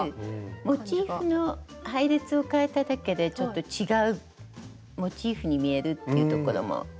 モチーフの配列をかえただけでちょっと違うモチーフに見えるっていうところも魅力ですね。